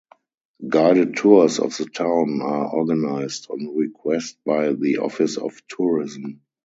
Guided tours of the town are organised on request by the Office of Tourism.